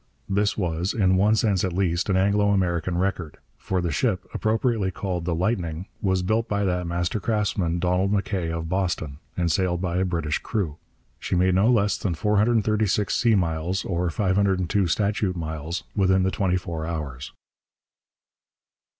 This was, in one sense at least, an Anglo American record; for the ship, appropriately called the Lightning, was built by that master craftsman, Donald M'Kay of Boston, and sailed by a British crew. She made no less than 436 sea miles, or 502 statute miles, within the twenty four hours.